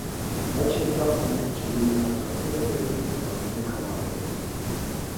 Աջ և ձախ կողմի քիվերի հարթակները վերևում միանում են կամարով։